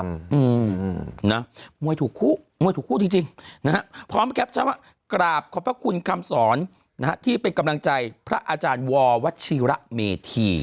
มวยถูกคู่มวยถูกคู่จริงพร้อมกับชาวกราบขอบคุณคำสอนที่เป็นกำลังใจพระอาจารย์วเมธี